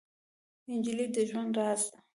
نجلۍ د ژوند راز ده.